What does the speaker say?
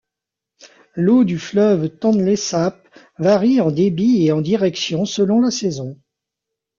L'eau du fleuve Tonlé Sap varie en débit et en direction selon la saison.